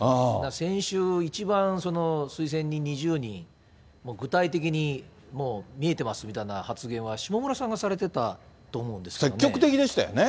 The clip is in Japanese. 先週、一番推薦人２０人、もう具体的にもう見えてますみたいな発言は、下村さんがされてた積極的でしたよね。